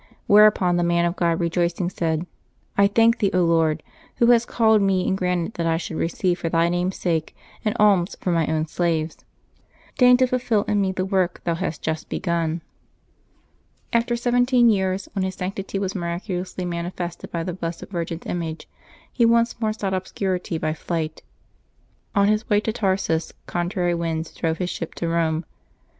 Whereupon the man of God, rejoicing, said, "I thank thee, Lord, Who hast called me and granted that I should receive for Thy name's sake an alms from my own slaves. Deign to fulfil in me the work Thou July 18J LIVES OF THE SAINTS 253 hast begun." After sev^[it€en years, when his sanctity was miraculously manifested by the Blessed Virgin's image, he once more sought obscurity by flight. On his way to Tarsus contrary winds drove his ship to Rome.